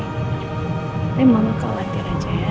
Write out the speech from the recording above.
tapi mama akan latih aja ya